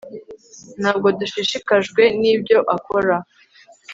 ntabwo dushishikajwe nibyo akora